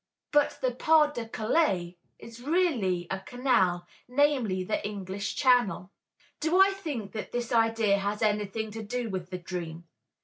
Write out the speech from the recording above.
But the "Pas de Calais" is really a canal, namely, the English Channel. Do I think that this idea has anything to do with the dream?